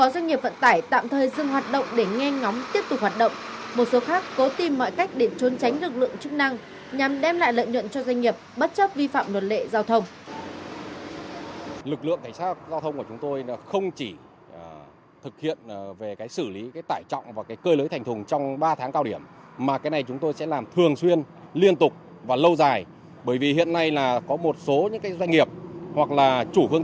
sau gần hai tháng giao quân hiện tượng xe ô tô chở quá tải hay cơi lưới thành thùng hầu như đã không còn xuất hiện và lưu thông trên đường